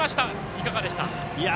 いかがでした？